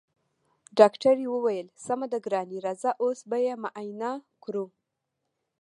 ډاکټرې وويل سمه ده ګرانې راځه اوس به يې معاينه کړو.